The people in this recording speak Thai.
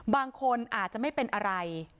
บางคนอาจจะไม่เป็นอะไร